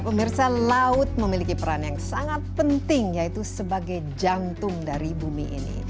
pemirsa laut memiliki peran yang sangat penting yaitu sebagai jantung dari bumi ini